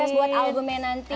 sukses buat albumnya nanti